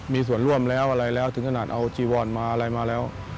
มีส่วนร่วมแล้วอะไรแล้วถึงขนาดเอาจีวอนมาอะไรมาแล้ว